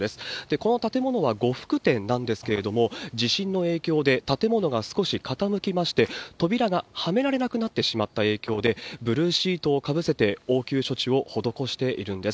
この建物は呉服店なんですけれども、地震の影響で建物が少し傾きまして、扉がはめられなくなってしまった影響で、ブルーシートをかぶせて応急処置を施しているんです。